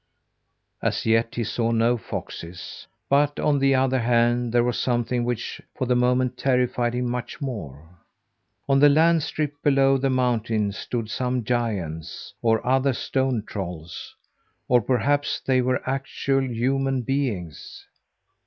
As yet he saw no foxes; but, on the other hand, there was something which, for the moment, terrified him much more. On the land strip below the mountain stood some giants, or other stone trolls or perhaps they were actual human beings.